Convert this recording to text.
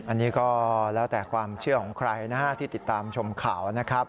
อันนี้ก็แล้วแต่ความเชื่อของใครนะฮะที่ติดตามชมข่าวนะครับ